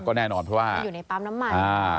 ก็แน่นอนเพราะว่ามันอยู่ในปั๊มน้ำมัน